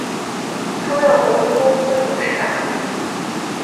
出任鸿霖公司董事长。